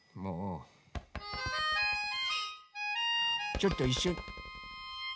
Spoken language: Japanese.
ちょっといっしょに。